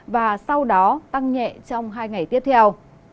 và sau đó tăng nhẹ trong hai ngày tiếp theo